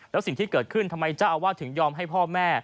แล้วสิ่งที่เกิดขึ้นทำไมเจ้าอาวาสถึงยอมให้พ่อแม่